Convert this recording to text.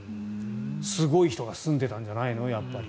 すごい人が住んでたんじゃないのやっぱり。